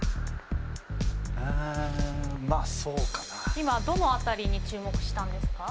今どの辺りに注目したんですか？